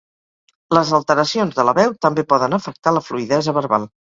Les alteracions de la veu també poden afectar la fluïdesa verbal.